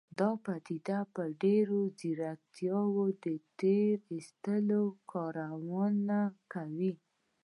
دا پديده په ډېره ځيرکتيا تېر ايستونکي کارونه کوي.